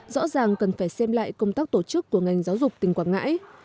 rõ ràng cần phải xem lại công tác tổ chức của ngành giáo dục tỉnh quảng ngãi